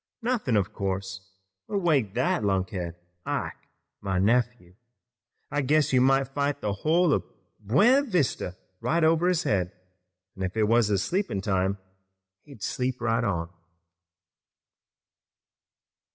Nothin', of course, would wake that lunkhead, Ike, my nephew. I guess you might fight the whole of Buena Vista right over his head, an' if it was his sleepin' time he'd sleep right on."